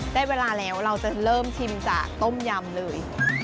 ได้เวลาแล้วเราจะเริ่มชิมจากต้มยำเลย